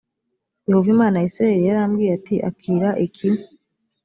yehova imana ya isirayeli yarambwiye ati akira iki